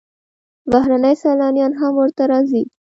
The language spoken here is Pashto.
بهرني سیلانیان هم ورته راځي.